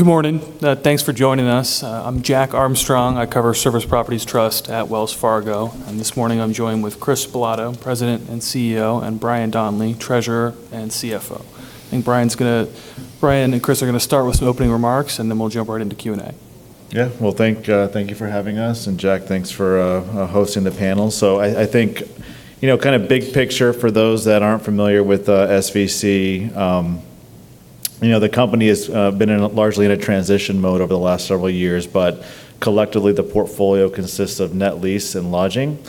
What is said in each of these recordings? Good morning. Thanks for joining us. I'm Jack Armstrong. I cover Service Properties Trust at Wells Fargo, and this morning I'm joined with Chris Bilotto, President and CEO, and Brian Donley, Treasurer and CFO. Brian and Chris are going to start with some opening remarks, and then we'll jump right into Q&A. Thank you for having us, and Jack, thanks for hosting the panel. I think, big picture for those that aren't familiar with SVC, the company has been largely in a transition mode over the last several years. Collectively, the portfolio consists of net lease and lodging.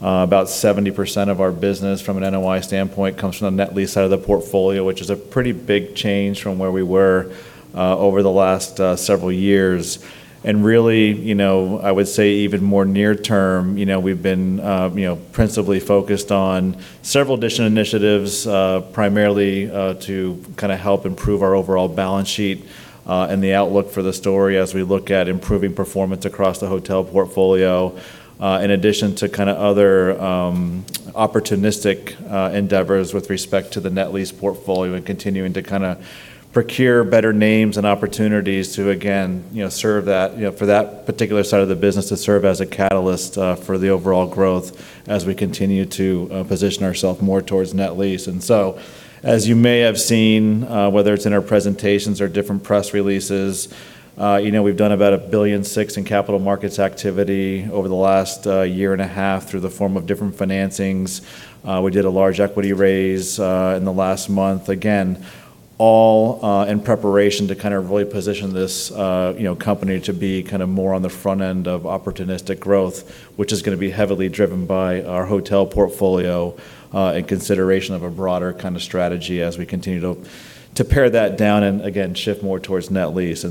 About 70% of our business from an NOI standpoint comes from the net lease side of the portfolio, which is a pretty big change from where we were over the last several years. Really, I would say even more near term, we've been principally focused on several additional initiatives, primarily to help improve our overall balance sheet, and the outlook for the story as we look at improving performance across the hotel portfolio, in addition to other opportunistic endeavors with respect to the net lease portfolio and continuing to procure better names and opportunities to, again, for that particular side of the business to serve as a catalyst for the overall growth as we continue to position ourself more towards net lease. As you may have seen, whether it's in our presentations or different press releases, we've done about $1.6 billion in capital markets activity over the last year and a half through the form of different financings. We did a large equity raise in the last month, again, all in preparation to really position this company to be more on the front end of opportunistic growth, which is going to be heavily driven by our hotel portfolio, and consideration of a broader kind of strategy as we continue to pare that down and, again, shift more towards net lease.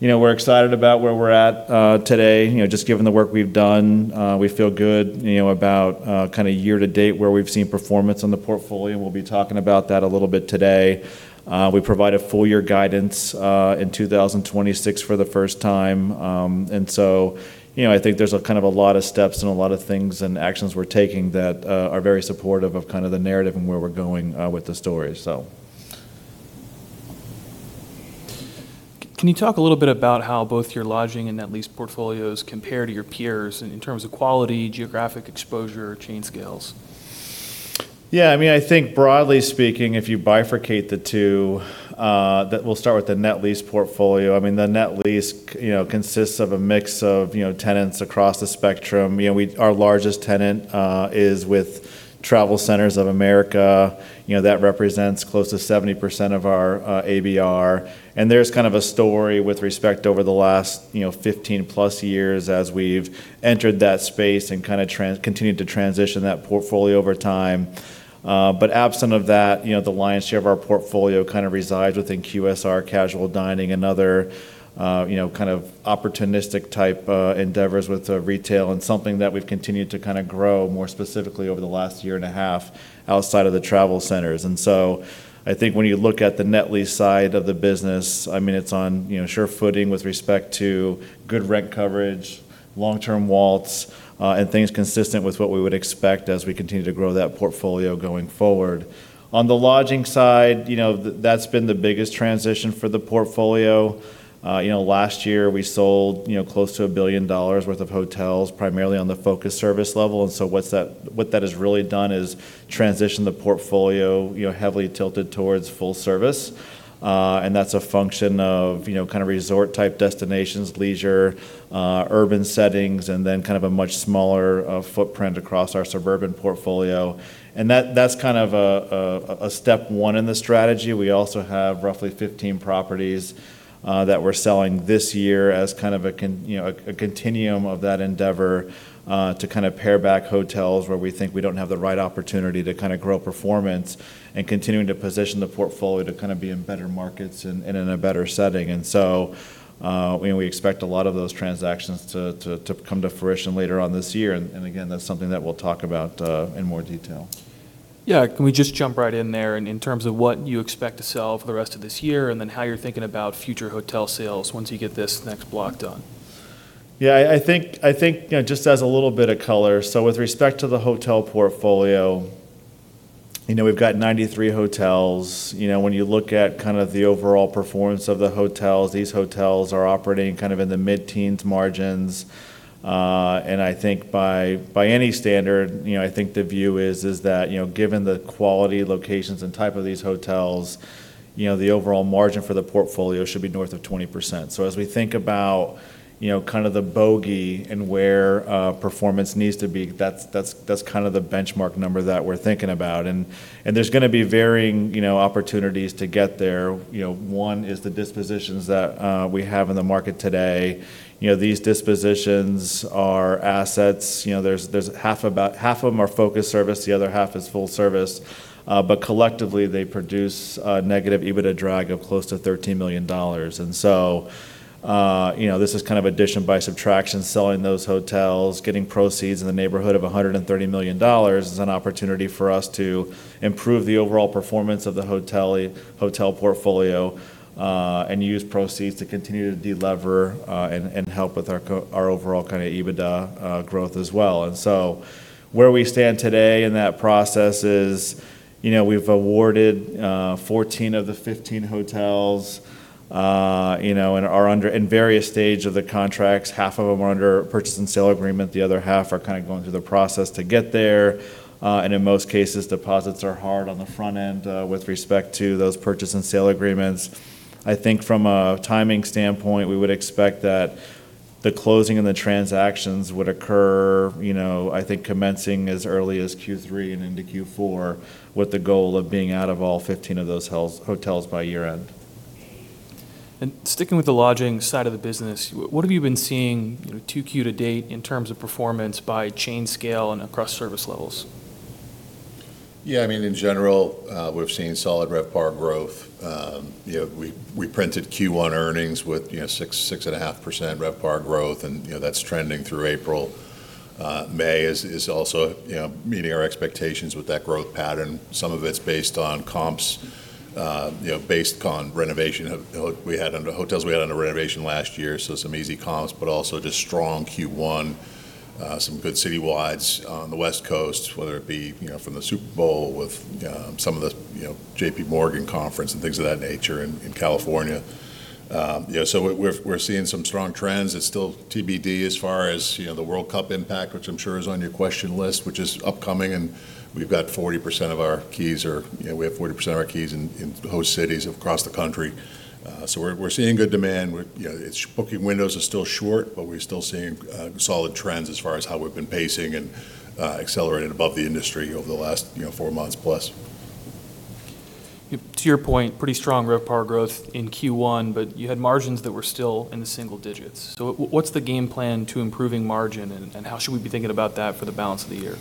We're excited about where we're at today, just given the work we've done. We feel good about year to date where we've seen performance on the portfolio, and we'll be talking about that a little bit today. We provide a full year guidance in 2026 for the first time. I think there's a lot of steps and a lot of things and actions we're taking that are very supportive of the narrative and where we're going with the story. Can you talk a little bit about how both your lodging and net lease portfolios compare to your peers in terms of quality, geographic exposure, chain scales? Yeah, I think broadly speaking, if you bifurcate the two, we'll start with the net lease portfolio. The net lease consists of a mix of tenants across the spectrum. Our largest tenant is with TravelCenters of America. That represents close to 70% of our ABR, and there's a story with respect over the last 15+ years as we've entered that space and continued to transition that portfolio over time. Absent of that, the lion's share of our portfolio resides within QSR casual dining and other opportunistic type endeavors with retail and something that we've continued to grow more specifically over the last one and a half years outside of the TravelCenters. I think when you look at the net lease side of the business, it's on sure footing with respect to good rent coverage, long-term WALTs, and things consistent with what we would expect as we continue to grow that portfolio going forward. On the lodging side, that's been the biggest transition for the portfolio. Last year we sold close to $1 billion worth of hotels, primarily on the focus service level. What that has really done is transition the portfolio heavily tilted towards full service. That's a function of resort type destinations, leisure, urban settings, and then a much smaller footprint across our suburban portfolio. That's a step one in the strategy. We also have roughly 15 properties that we're selling this year as a continuum of that endeavor to pare back hotels where we think we don't have the right opportunity to grow performance, and continuing to position the portfolio to be in better markets and in a better setting. We expect a lot of those transactions to come to fruition later on this year, and again, that's something that we'll talk about in more detail. Yeah. Can we just jump right in there, and in terms of what you expect to sell for the rest of this year, and then how you're thinking about future hotel sales once you get this next block done? Yeah, I think just as a little bit of color, with respect to the hotel portfolio, we've got 93 hotels. When you look at the overall performance of the hotels, these hotels are operating in the mid-teens margins. I think by any standard, I think the view is that given the quality, locations, and type of these hotels, the overall margin for the portfolio should be north of 20%. As we think about the bogey and where performance needs to be, that's the benchmark number that we're thinking about. There's going to be varying opportunities to get there. One is the dispositions that we have in the market today. These dispositions are assets. Half of them are focused service, the other half is full service. Collectively, they produce a negative EBITDA drag of close to $13 million. This is addition by subtraction, selling those hotels, getting proceeds in the neighborhood of $130 million is an opportunity for us to improve the overall performance of the hotel portfolio, and use proceeds to continue to delever, and help with our overall kind of EBITDA growth as well. Where we stand today in that process is, we've awarded 14 of the 15 hotels, and are under in various stage of the contracts. Half of them are under purchase and sale agreement, the other half are going through the process to get there. In most cases, deposits are hard on the front end with respect to those purchase and sale agreements. I think from a timing standpoint, we would expect that the closing and the transactions would occur, I think, commencing as early as Q3 and into Q4, with the goal of being out of all 15 of those hotels by year-end. Sticking with the lodging side of the business, what have you been seeing 2Q to date in terms of performance by chain scale and across service levels? Yeah, in general, we've seen solid RevPAR growth. We printed Q1 earnings with 6.5% RevPAR growth, and that's trending through April. May is also meeting our expectations with that growth pattern. Some of it's based on comps, based on renovation we had under hotels we had under renovation last year, so some easy comps, but also just strong Q1, some good citywides on the West Coast, whether it be from the Super Bowl with some of the JPMorgan conference and things of that nature in California. We're seeing some strong trends. It's still TBD as far as the World Cup impact, which I'm sure is on your question list, which is upcoming, and we have 40% of our keys in host cities across the country. We're seeing good demand. Booking windows are still short, but we're still seeing solid trends as far as how we've been pacing and accelerating above the industry over the last four months plus. To your point, pretty strong RevPAR growth in Q1, you had margins that were still in the single digits. What's the game plan to improving margin, and how should we be thinking about that for the balance of the year?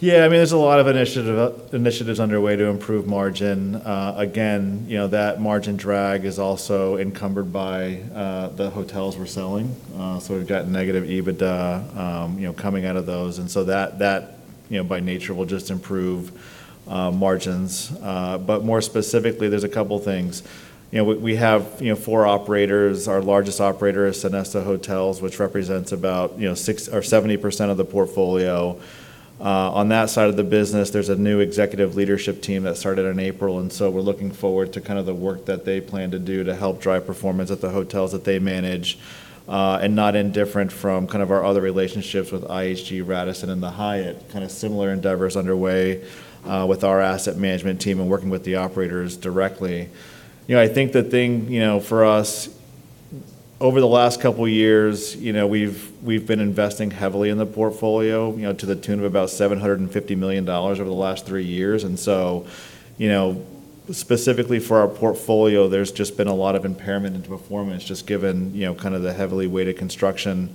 Yeah, there's a lot of initiatives underway to improve margin. That margin drag is also encumbered by the hotels we're selling. We've got negative EBITDA coming out of those, that by nature will just improve margins. More specifically, there's a couple things. We have four operators. Our largest operator is Sonesta Hotels, which represents about 70% of the portfolio. On that side of the business, there's a new executive leadership team that started in April, we're looking forward to the work that they plan to do to help drive performance at the hotels that they manage. Not indifferent from our other relationships with IHG, Radisson, and the Hyatt, similar endeavors underway with our asset management team and working with the operators directly. I think the thing for us over the last couple of years, we've been investing heavily in the portfolio, to the tune of about $750 million over the last three years. Specifically for our portfolio, there's just been a lot of impairment in performance, just given the heavily weighted construction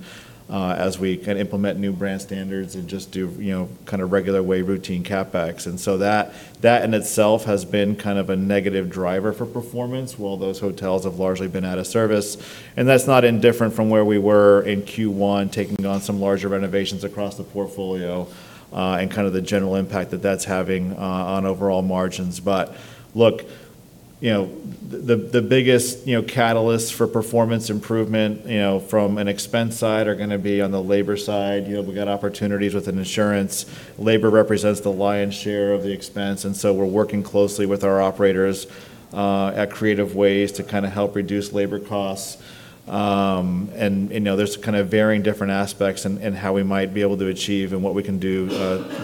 as we implement new brand standards and just do regular way routine CapEx. That in itself has been a negative driver for performance while those hotels have largely been out of service. That's not indifferent from where we were in Q1, taking on some larger renovations across the portfolio, and the general impact that that's having on overall margins. Look, the biggest catalysts for performance improvement from an expense side are going to be on the labor side. We've got opportunities within insurance. Labor represents the lion's share of the expense. We're working closely with our operators at creative ways to help reduce labor costs. There's varying different aspects in how we might be able to achieve and what we can do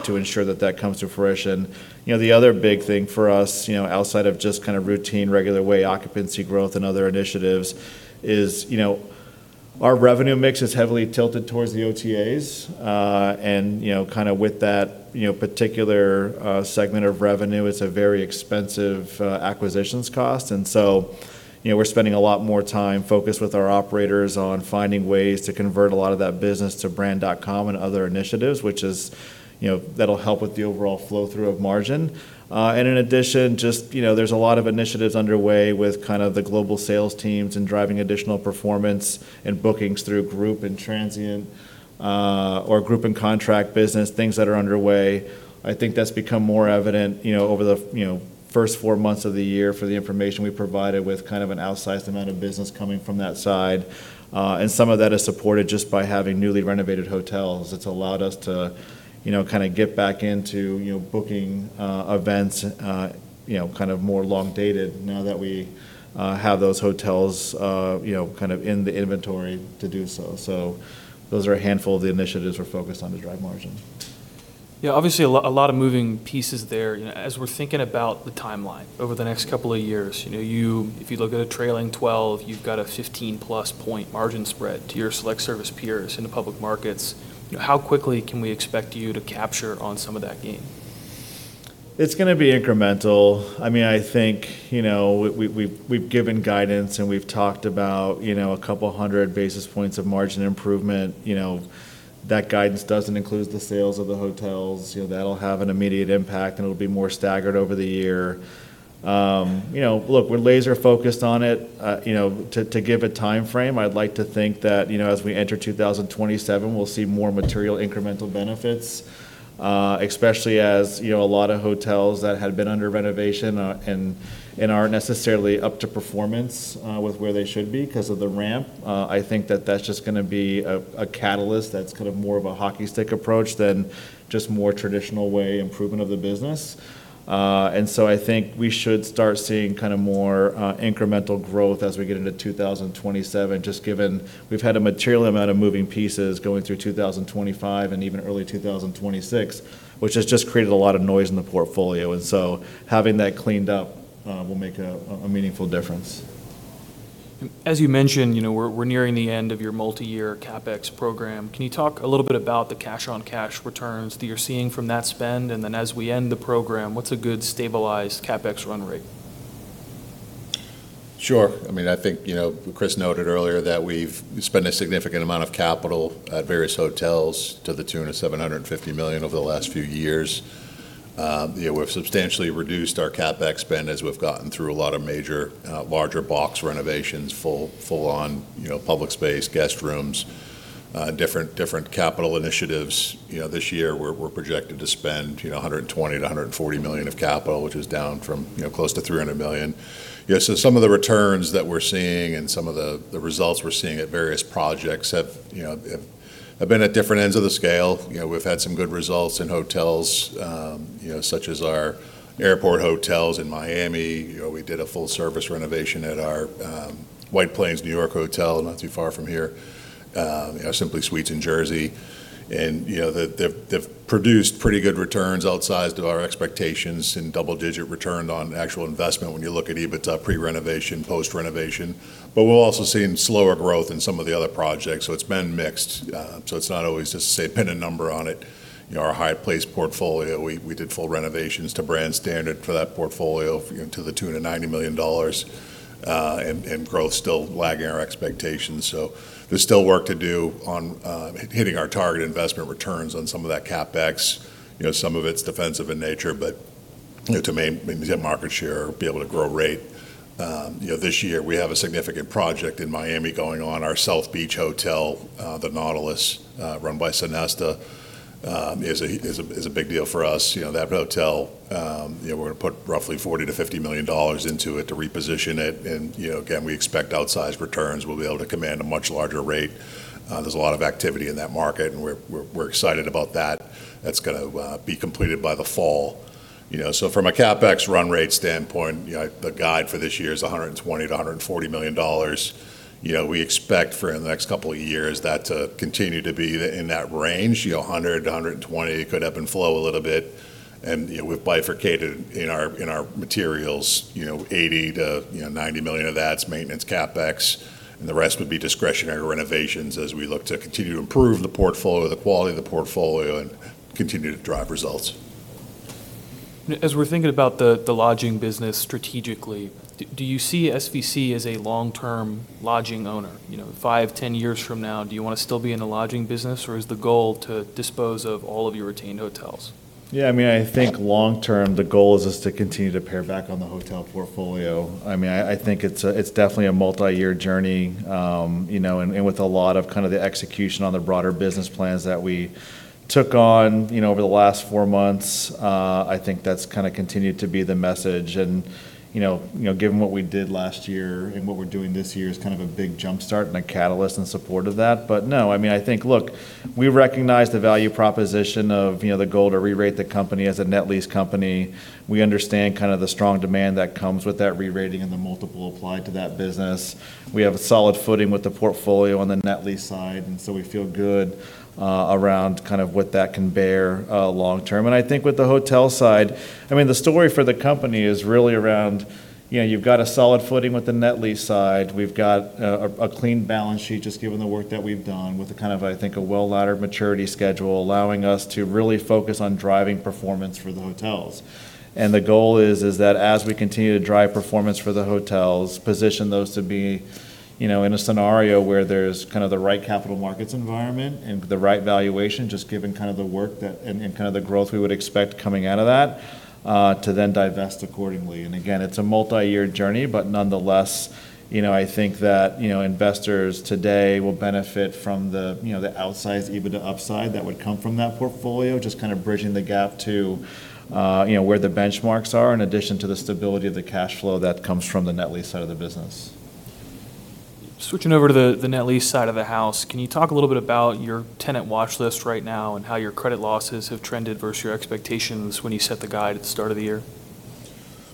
to ensure that that comes to fruition. The other big thing for us outside of just routine, regular way occupancy growth and other initiatives is our revenue mix is heavily tilted towards the OTAs. With that particular segment of revenue, it's a very expensive acquisitions cost. We're spending a lot more time focused with our operators on finding ways to convert a lot of that business to brand.com and other initiatives, which that'll help with the overall flow-through of margin. In addition, there's a lot of initiatives underway with the global sales teams in driving additional performance and bookings through group and transient or group and contract business, things that are underway. I think that's become more evident over the first four months of the year for the information we provided with an outsized amount of business coming from that side. Some of that is supported just by having newly renovated hotels. It's allowed us to get back into booking events more long-dated now that we have those hotels in the inventory to do so. Those are a handful of the initiatives we're focused on to drive margin. Yeah, obviously a lot of moving pieces there. We're thinking about the timeline over the next couple of years, if you look at a trailing 12, you've got a 15+ point margin spread to your select service peers in the public markets. How quickly can we expect you to capture on some of that gain? It's going to be incremental. I think we've given guidance, and we've talked about a couple hundred basis points of margin improvement. That guidance doesn't include the sales of the hotels. That'll have an immediate impact, and it'll be more staggered over the year. Look, we're laser-focused on it. To give a timeframe, I'd like to think that as we enter 2027, we'll see more material incremental benefits, especially as a lot of hotels that had been under renovation and aren't necessarily up to performance with where they should be because of the ramp. I think that that's just going to be a catalyst that's more of a hockey stick approach than just more traditional way improvement of the business. I think we should start seeing more incremental growth as we get into 2027, just given we've had a material amount of moving pieces going through 2025 and even early 2026, which has just created a lot of noise in the portfolio. Having that cleaned up will make a meaningful difference. As you mentioned, we're nearing the end of your multi-year CapEx program. Can you talk a little bit about the cash-on-cash returns that you're seeing from that spend? Then as we end the program, what's a good stabilized CapEx run rate? Sure. I think Chris noted earlier that we've spent a significant amount of capital at various hotels to the tune of $750 million over the last few years. We've substantially reduced our CapEx spend as we've gotten through a lot of major larger box renovations, full on public space, guest rooms, different capital initiatives. This year, we're projected to spend $120 million-$140 million of capital, which is down from close to $300 million. Some of the returns that we're seeing and some of the results we're seeing at various projects have been at different ends of the scale. We've had some good results in hotels, such as our airport hotels in Miami. We did a full-service renovation at our White Plains, New York hotel, not too far from here, we have Simply Suites in New Jersey. They've produced pretty good returns outsized of our expectations in double-digit return on actual investment when you look at EBITDA pre-renovation, post-renovation. We're also seeing slower growth in some of the other projects. It's been mixed. It's not always just, say, pin a number on it. Our Hyatt Place portfolio, we did full renovations to brand standard for that portfolio to the tune of $90 million, and growth still lagging our expectations. There's still work to do on hitting our target investment returns on some of that CapEx. Some of it's defensive in nature, but to maintain market share or be able to grow rate. This year, we have a significant project in Miami going on our South Beach hotel, the Nautilus, run by Sonesta, is a big deal for us. That hotel, we're going to put roughly $40 million-$50 million into it to reposition it. Again, we expect outsized returns. We'll be able to command a much larger rate. There's a lot of activity in that market, and we're excited about that. That's going to be completed by the fall. From a CapEx run rate standpoint, the guide for this year is $120 million-$140 million. We expect for the next couple of years that to continue to be in that range, $100 million-$120 million. It could ebb and flow a little bit, and we've bifurcated in our materials, $80 million-$90 million of that's maintenance CapEx. The rest would be discretionary renovations as we look to continue to improve the portfolio, the quality of the portfolio, and continue to drive results. As we're thinking about the lodging business strategically, do you see SVC as a long-term lodging owner? Five, 10 years from now, do you want to still be in the lodging business, or is the goal to dispose of all of your retained hotels? Yeah, I think long term, the goal is just to continue to pare back on the hotel portfolio. I think it's definitely a multi-year journey, and with a lot of the execution on the broader business plans that we took on over the last four months, I think that's continued to be the message. Given what we did last year and what we're doing this year is kind of a big jumpstart and a catalyst in support of that. No, I think, look, we recognize the value proposition of the goal to re-rate the company as a net lease company. We understand the strong demand that comes with that re-rating and the multiple applied to that business. We have a solid footing with the portfolio on the net lease side. We feel good around what that can bear long term. I think with the hotel side, the story for the company is really around you've got a solid footing with the net lease side. We've got a clean balance sheet just given the work that we've done with, I think, a well-laddered maturity schedule allowing us to really focus on driving performance for the hotels. The goal is that as we continue to drive performance for the hotels, position those to be in a scenario where there's the right capital markets environment and the right valuation, just given the work and the growth we would expect coming out of that, to then divest accordingly. Again, it's a multi-year journey, but nonetheless, I think that investors today will benefit from the outsized EBITDA upside that would come from that portfolio, just bridging the gap to where the benchmarks are in addition to the stability of the cash flow that comes from the net lease side of the business. Switching over to the net lease side of the house, can you talk a little bit about your tenant watch list right now and how your credit losses have trended versus your expectations when you set the guide at the start of the year?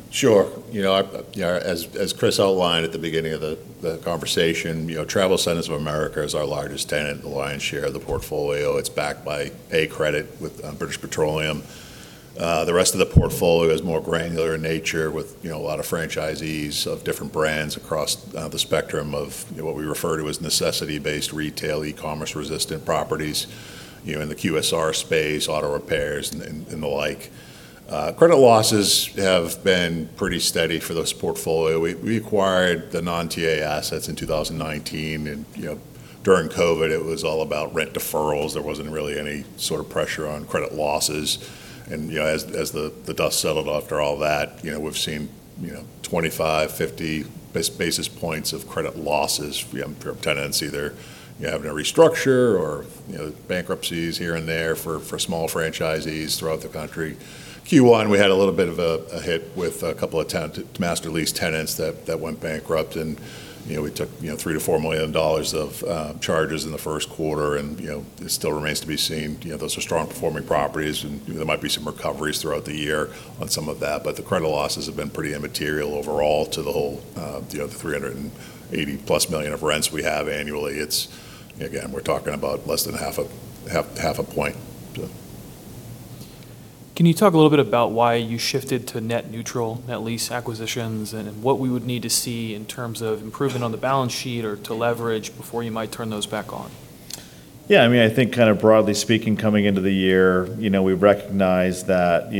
Sure. As Chris outlined at the beginning of the conversation, TravelCenters of America is our largest tenant, the lion's share of the portfolio. It's backed by a credit with British Petroleum. The rest of the portfolio is more granular in nature with a lot of franchisees of different brands across the spectrum of what we refer to as necessity-based retail, e-commerce resistant properties, in the QSR space, auto repairs, and the like. Credit losses have been pretty steady for this portfolio. We acquired the non-TA assets in 2019, and during COVID, it was all about rent deferrals. There wasn't really any sort of pressure on credit losses. As the dust settled after all that, we've seen 25 basis points, 50 basis points of credit losses from tenants either having to restructure or bankruptcies here and there for small franchisees throughout the country. Q1, we had a little bit of a hit with a couple of master lease tenants that went bankrupt. We took $3 million-$4 million of charges in the first quarter. It still remains to be seen. Those are strong performing properties. There might be some recoveries throughout the year on some of that. The credit losses have been pretty immaterial overall to the whole $380+ million of rents we have annually. Again, we're talking about less than half a point. Can you talk a little bit about why you shifted to net neutral net lease acquisitions, and what we would need to see in terms of improvement on the balance sheet or to leverage before you might turn those back on? Yeah. I think kind of broadly speaking, coming into the year, we recognize that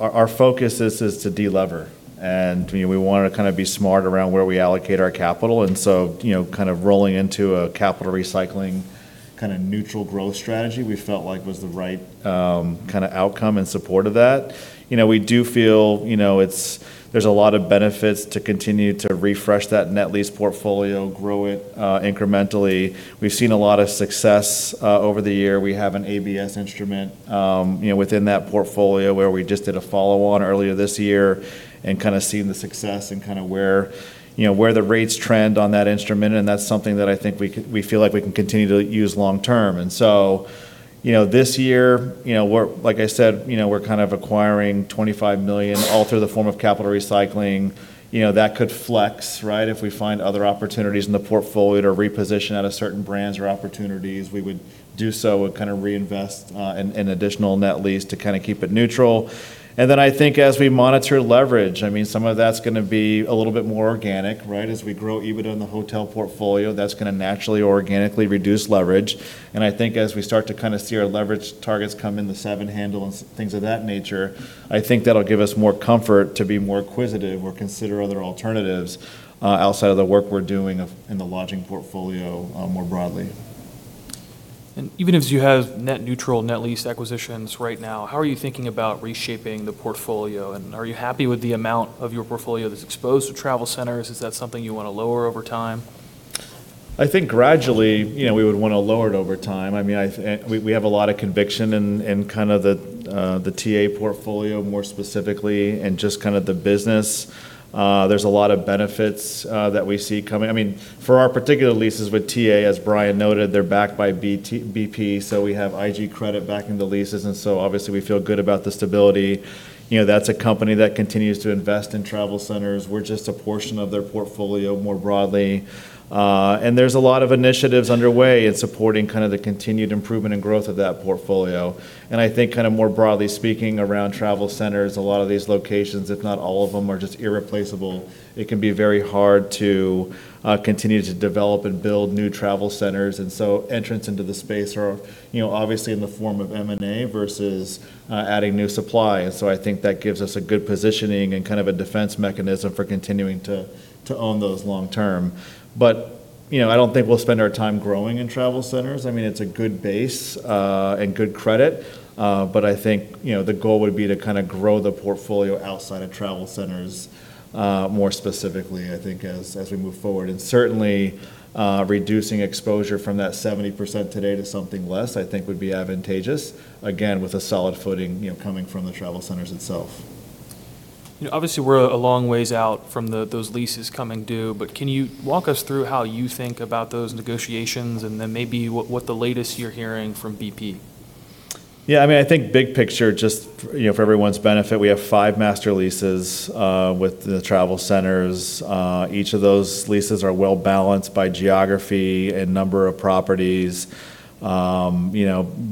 our focus is to de-lever, and we want to kind of be smart around where we allocate our capital. Rolling into a capital recycling, kind of neutral growth strategy, we felt like was the right kind of outcome in support of that. We do feel there's a lot of benefits to continue to refresh that net lease portfolio, grow it incrementally. We've seen a lot of success over the year. We have an ABS instrument within that portfolio where we just did a follow-on earlier this year, and kind of seeing the success and where the rates trend on that instrument, and that's something that I think we feel like we can continue to use long term. This year, like I said, we're kind of acquiring $25 million all through the form of capital recycling. That could flex, right, if we find other opportunities in the portfolio to reposition out of certain brands or opportunities, we would do so and kind of reinvest in additional net lease to kind of keep it neutral. I think as we monitor leverage, some of that's going to be a little bit more organic, right, as we grow EBITDA in the hotel portfolio. That's going to naturally organically reduce leverage. I think as we start to kind of see our leverage targets come in the seven handle and things of that nature, I think that'll give us more comfort to be more acquisitive or consider other alternatives outside of the work we're doing in the lodging portfolio more broadly. Even as you have net neutral net lease acquisitions right now, how are you thinking about reshaping the portfolio, and are you happy with the amount of your portfolio that's exposed to TravelCenters? Is that something you want to lower over time? I think gradually, we would want to lower it over time. We have a lot of conviction in kind of the TA portfolio more specifically and just kind of the business. There's a lot of benefits that we see coming. For our particular leases with TA, as Brian noted, they're backed by BP, so we have IG credit backing the leases, and so obviously we feel good about the stability. That's a company that continues to invest in TravelCenters. We're just a portion of their portfolio more broadly. There's a lot of initiatives underway in supporting kind of the continued improvement and growth of that portfolio. I think kind of more broadly speaking around TravelCenters, a lot of these locations, if not all of them, are just irreplaceable. It can be very hard to continue to develop and build new TravelCenters, and so entrants into the space are obviously in the form of M&A versus adding new supply. I think that gives us a good positioning and kind of a defense mechanism for continuing to own those long term. I don't think we'll spend our time growing in TravelCenters. It's a good base, and good credit, but I think the goal would be to kind of grow the portfolio outside of TravelCenters more specifically, I think as we move forward. Certainly, reducing exposure from that 70% today to something less, I think would be advantageous. Again, with a solid footing coming from the TravelCenters itself. We're a long ways out from those leases coming due, but can you walk us through how you think about those negotiations and then maybe what the latest you're hearing from BP? Yeah. I think big picture, just for everyone's benefit, we have five master leases with the TravelCenters. Each of those leases are well balanced by geography and number of properties.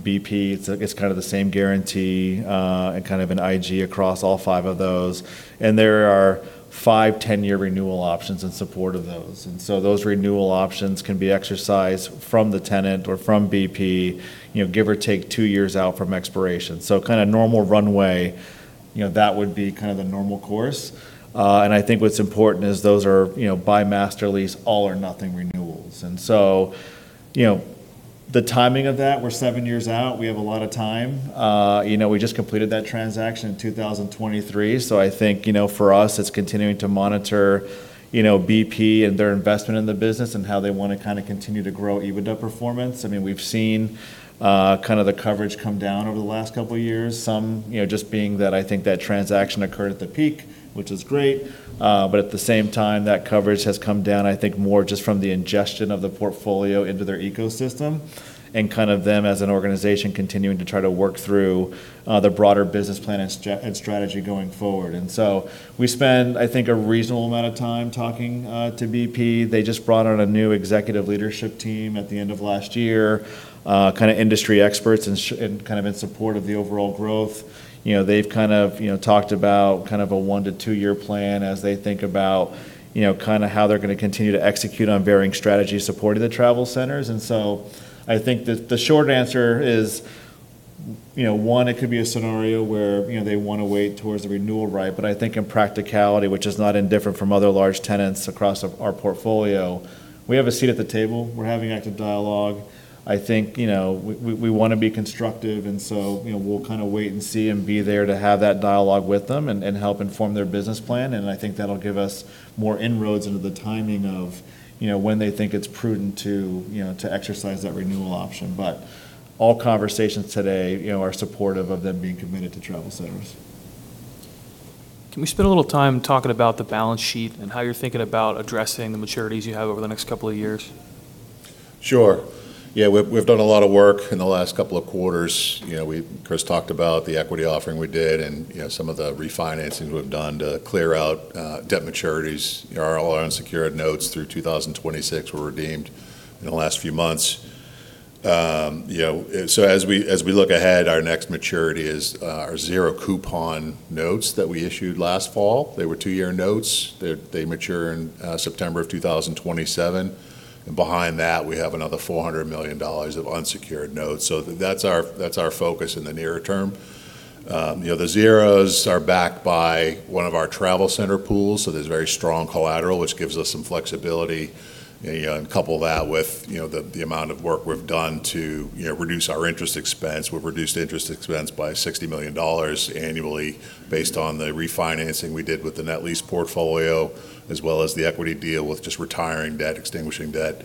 BP, it's kind of the same guarantee, and kind of an IG across all five of those, and there are five 10-year renewal options in support of those. Those renewal options can be exercised from the tenant or from BP, give or take two years out from expiration. So kind of normal runway, that would be kind of the normal course. I think what's important is those are by master lease, all or nothing renewals. The timing of that, we're seven years out. We have a lot of time. We just completed that transaction in 2023. I think for us, it's continuing to monitor BP and their investment in the business and how they want to kind of continue to grow EBITDA performance. We've seen kind of the coverage come down over the last couple of years. Some just being that I think that transaction occurred at the peak, which is great. At the same time, that coverage has come down, I think more just from the ingestion of the portfolio into their ecosystem, and kind of them as an organization continuing to try to work through the broader business plan and strategy going forward. We spend, I think, a reasonable amount of time talking to BP. They just brought on a new executive leadership team at the end of last year, kind of industry experts in support of the overall growth. They've kind of talked about a one to two year plan as they think about how they're going to continue to execute on varying strategies supporting the TravelCenters. I think that the short answer is one, it could be a scenario where they want to wait towards the renewal right. I think in practicality, which is not indifferent from other large tenants across our portfolio, we have a seat at the table. We're having active dialogue. I think we want to be constructive, and so we'll kind of wait and see and be there to have that dialogue with them and help inform their business plan, and I think that'll give us more inroads into the timing of when they think it's prudent to exercise that renewal option. All conversations today are supportive of them being committed to TravelCenters. Can we spend a little time talking about the balance sheet and how you're thinking about addressing the maturities you have over the next couple of years? Sure. Yeah. We've done a lot of work in the last couple of quarters. Chris talked about the equity offering we did and some of the refinancings we've done to clear out debt maturities. All our unsecured notes through 2026 were redeemed in the last few months. As we look ahead, our next maturity is our zero coupon notes that we issued last fall. They were two-year notes. They mature in September of 2027. Behind that, we have another $400 million of unsecured notes. That's our focus in the nearer term. The zeros are backed by one of our TravelCenters pools, so there's very strong collateral, which gives us some flexibility. Couple that with the amount of work we've done to reduce our interest expense. We've reduced interest expense by $60 million annually based on the refinancing we did with the net lease portfolio, as well as the equity deal with just retiring debt, extinguishing debt.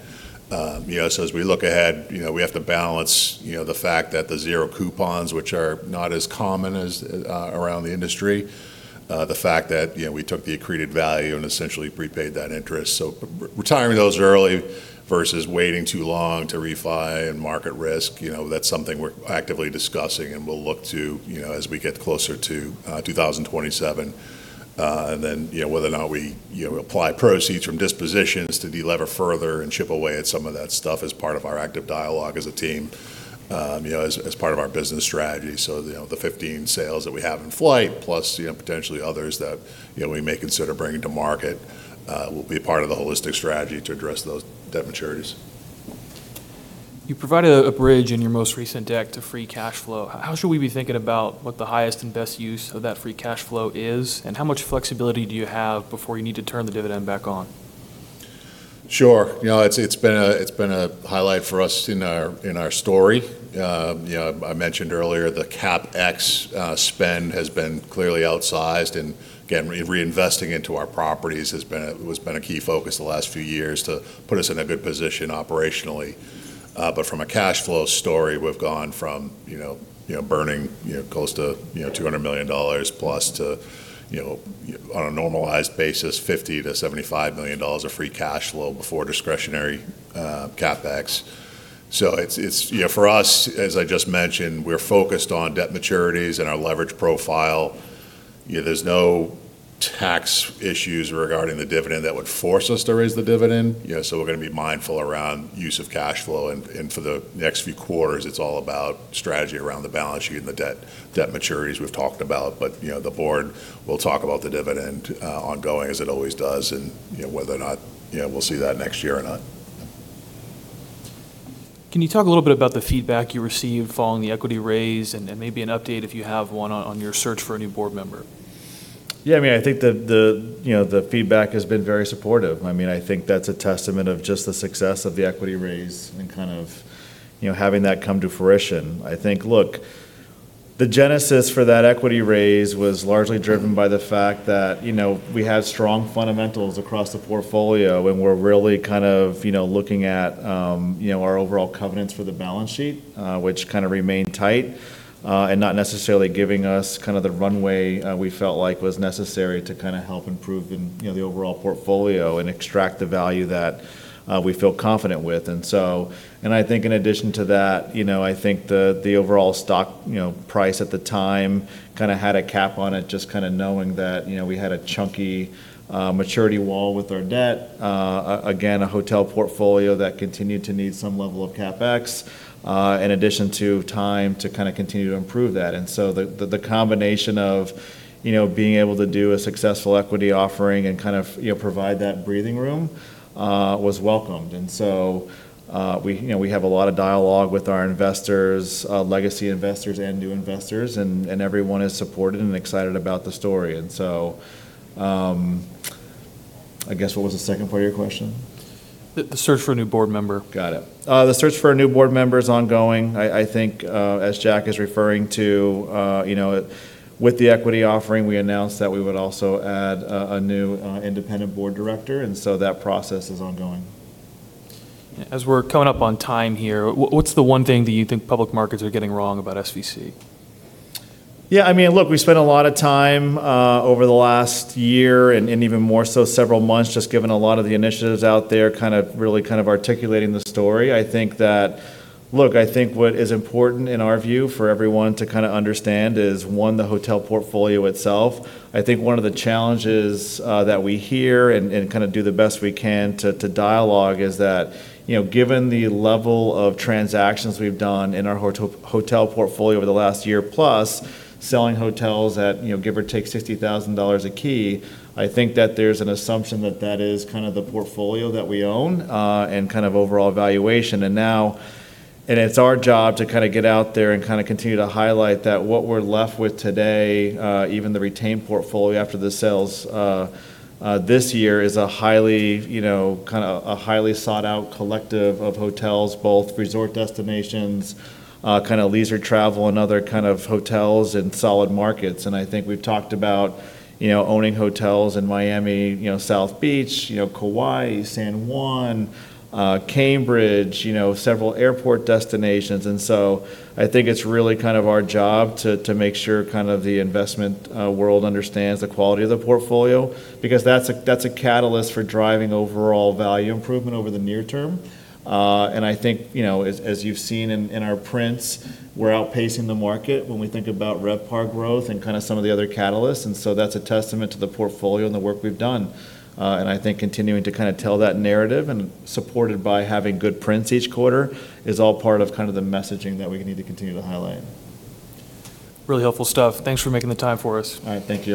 As we look ahead, we have to balance the fact that the zero coupons, which are not as common around the industry, the fact that we took the accreted value and essentially prepaid that interest. Retiring those early versus waiting too long to refi and market risk, that's something we're actively discussing, and we'll look to as we get closer to 2027. Whether or not we apply proceeds from dispositions to delever further and chip away at some of that stuff as part of our active dialogue as a team, as part of our business strategy. The 15 sales that we have in flight plus potentially others that we may consider bringing to market will be a part of the holistic strategy to address those debt maturities. You provided a bridge in your most recent deck to free cash flow. How should we be thinking about what the highest and best use of that free cash flow is? How much flexibility do you have before you need to turn the dividend back on? Sure. It's been a highlight for us in our story. I mentioned earlier the CapEx spend has been clearly outsized, again, reinvesting into our properties has been a key focus the last few years to put us in a good position operationally. From a cash flow story, we've gone from burning close to $200+ million to, on a normalized basis, $50 million-$75 million of free cash flow before discretionary CapEx. For us, as I just mentioned, we're focused on debt maturities and our leverage profile. There's no tax issues regarding the dividend that would force us to raise the dividend, we're going to be mindful around use of cash flow. For the next few quarters, it's all about strategy around the balance sheet and the debt maturities we've talked about. The board will talk about the dividend ongoing, as it always does, and whether or not we'll see that next year or not. Can you talk a little bit about the feedback you received following the equity raise and maybe an update, if you have one, on your search for a new board member? Yeah, I think the feedback has been very supportive. I think that's a testament of just the success of the equity raise and kind of having that come to fruition. I think, look, the genesis for that equity raise was largely driven by the fact that we had strong fundamentals across the portfolio, and we're really kind of looking at our overall covenants for the balance sheet, which kind of remained tight, and not necessarily giving us the runway we felt like was necessary to help improve the overall portfolio and extract the value that we feel confident with. I think in addition to that, I think the overall stock price at the time had a cap on it, just knowing that we had a chunky maturity wall with our debt. Again, a hotel portfolio that continued to need some level of CapEx, in addition to time to continue to improve that. The combination of being able to do a successful equity offering and provide that breathing room was welcomed. We have a lot of dialogue with our investors, legacy investors and new investors, and everyone is supported and excited about the story. I guess, what was the second part of your question? The search for a new board member. Got it. The search for a new board member is ongoing. I think, as Jack is referring to, with the equity offering, we announced that we would also add a new independent board director, and so that process is ongoing. As we're coming up on time here, what's the one thing that you think public markets are getting wrong about SVC? Yeah, look, we've spent a lot of time over the last year, and even more so several months, just given a lot of the initiatives out there, really articulating the story. Look, I think what is important in our view for everyone to understand is, one, the hotel portfolio itself. I think one of the challenges that we hear and do the best we can to dialogue is that given the level of transactions we've done in our hotel portfolio over the last year, plus selling hotels at give or take $60,000 a key, I think that there's an assumption that that is the portfolio that we own and overall valuation. It's our job to get out there and continue to highlight that what we're left with today, even the retained portfolio after the sales this year, is a highly sought-out collective of hotels, both resort destinations, leisure travel, and other kind of hotels in solid markets. I think we've talked about owning hotels in Miami, South Beach, Kauai, San Juan, Cambridge, several airport destinations. I think it's really our job to make sure the investment world understands the quality of the portfolio because that's a catalyst for driving overall value improvement over the near term. I think as you've seen in our prints, we're outpacing the market when we think about RevPAR growth and some of the other catalysts, that's a testament to the portfolio and the work we've done. I think continuing to tell that narrative and supported by having good prints each quarter is all part of the messaging that we need to continue to highlight. Really helpful stuff. Thanks for making the time for us. All right. Thank you.